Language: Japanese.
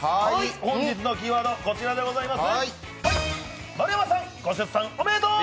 本日のキーワードはこちらでございます！